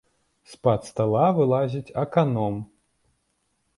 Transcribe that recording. З-пад стала вылазіць аканом.